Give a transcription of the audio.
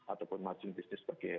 ataupun margin business per year